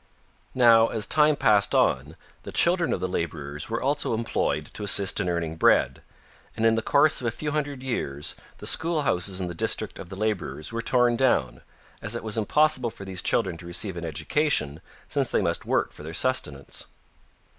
Now, as time passed on, the children of the laborers were also employed to assist in earning bread, and in the course of a few hundred years the school houses in the district of the laborers were torn down, as it was impossible for these children to receive an education, since they must needs work for their sustenance.